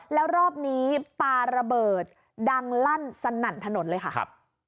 แล้วรอบนี้ปลาระเบิดดังลั่นสนั่นถนนเลยค่ะครับ